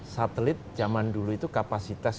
satelit zaman dulu itu kapasitas